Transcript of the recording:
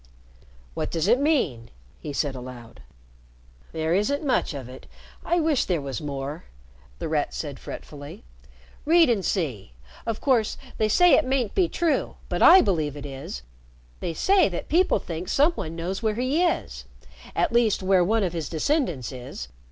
"What does it mean?" he said aloud. "There isn't much of it. I wish there was more," The Rat said fretfully. "Read and see. Of course they say it mayn't be true but I believe it is. They say that people think some one knows where he is at least where one of his descendants is.